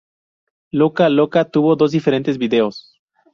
Loca loca tuvo dos diferentes videos.